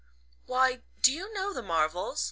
"Why, do you know the Marvells?